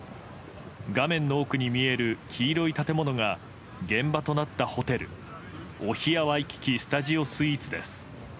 画面の奥に見える黄色い建物が現場となったホテルオヒア・ワイキキ・スタジオスイーツです。